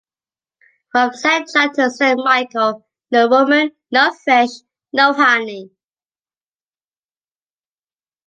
From Saint John to Saint Michael, no woman, no fish, no honey.